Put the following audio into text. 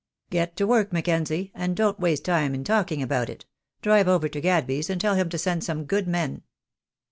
"Get to work, Mackenzie, and don't waste time in talking about it. Drive over to Gadby's, and tell him to send some good men."